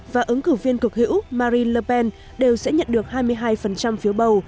và ứng cử viên cực hữu marine le pen đều sẽ nhận được hai mươi hai phiếu bầu